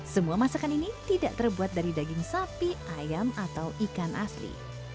semua masakan ini tidak terbuat dari daging sapi ayam atau ikan asli